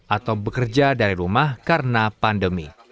atau bekerja dari rumah karena pandemi